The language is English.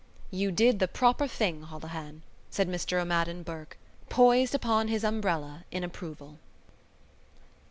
"You did the proper thing, Holohan," said Mr O'Madden Burke, poised upon his umbrella in approval.